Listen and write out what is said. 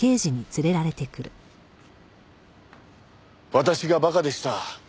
私が馬鹿でした。